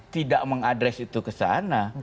tidak mengadres itu ke sana